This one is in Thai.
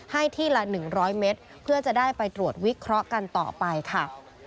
ให้ที่ละ๑๐๐เมตรเพื่อจะได้ไปตรวจวิเคราะห์กันต่อไปค่ะ